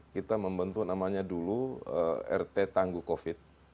kita membentuk namanya dulu rt tangguh covid